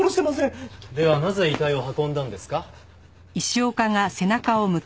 ではなぜ遺体を運んだんですか？